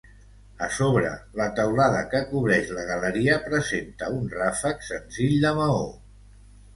A sobre, la teulada que cobreix la galeria presenta un ràfec senzill de maó.